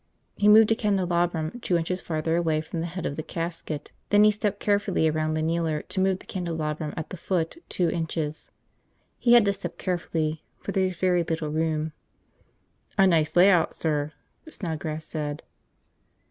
He moved a candelabrum two inches farther away from the head of the casket. Then he stepped carefully around the kneeler to move the candelabrum at the foot two inches. He had to step carefully, for there was very little room. "A nice layout, sir," Snodgrass said.